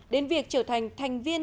đến việc trở thành thành viên